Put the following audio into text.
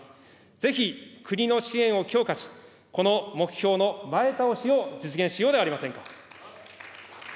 ぜひ国の支援を強化し、この目標の前倒しを実現しようではありませんか。